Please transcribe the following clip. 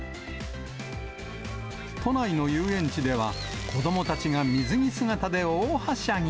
都内の遊園地では、子どもたちが水着姿で大はしゃぎ。